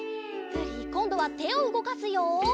こんどはてをうごかすよ。